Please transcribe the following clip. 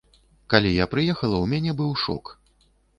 Калі я прыехала, у мяне быў шок.